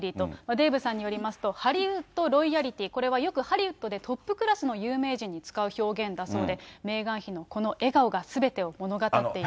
デーブさんによりますと、ハリウッド・ロイヤリティー、これはよくハリウッドでトップクラスの有名人に使う表現だそうで、メーガン妃のこの笑顔がすべてを物語っていると。